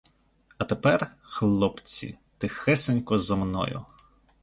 А тепер, хлопці, тихесенько за мною!